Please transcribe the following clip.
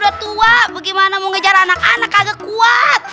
udah tua bagaimana mau ngejar anak anak kagak kuat